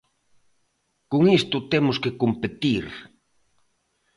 Con isto temos que competir.